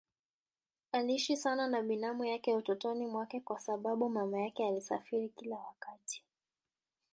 Aliishi sana na binamu yake utotoni mwake kwa sababu mama yake alisafiri kila wakati.